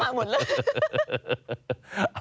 พาเพิ่มมาหมดเลย